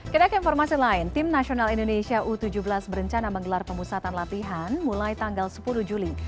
kita ke informasi lain tim nasional indonesia u tujuh belas berencana menggelar pemusatan latihan mulai tanggal sepuluh juli